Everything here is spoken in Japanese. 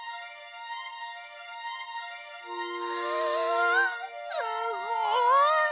あすごい！